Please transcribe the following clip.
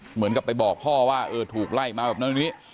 เหมือนกับไปบอกพ่อว่าเออถูกไล่มาแบบนั้นตรงนี้